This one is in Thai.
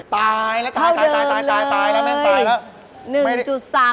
ตายแล้วตายตายแล้วแม่งตายแล้ว